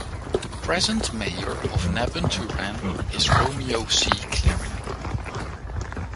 The present Mayor of Nabunturan is Romeo C. Clarin.